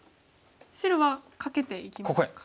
白はカケていきますか。